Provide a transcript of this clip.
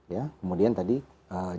ya kemudian tadi eee